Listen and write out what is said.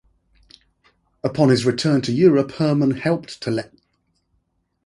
Upon his return to Europe, Hermann helped to lift Frederick's excommunication.